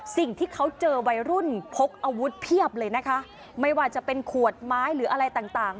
สิ่งที่เขาเจอวัยรุ่นพกอาวุธเพียบเลยนะคะไม่ว่าจะเป็นขวดไม้หรืออะไรต่างต่าง